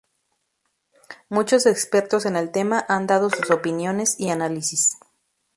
Muchos expertos en el tema han dado sus opiniones y análisis.